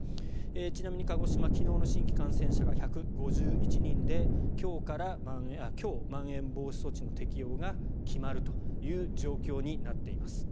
ちなみに鹿児島昨日の新規感染者が１５１人で今日、まん延防止措置の適用が決まるという状況になっています。